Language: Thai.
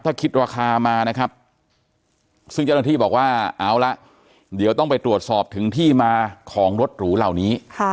ถ้าคิดราคามานะครับซึ่งเจ้าหน้าที่บอกว่าเอาละเดี๋ยวต้องไปตรวจสอบถึงที่มาของรถหรูเหล่านี้